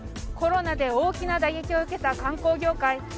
コロナで大きな打撃を受けた観光業界。